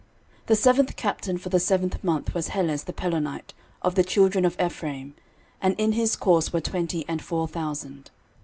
13:027:010 The seventh captain for the seventh month was Helez the Pelonite, of the children of Ephraim: and in his course were twenty and four thousand.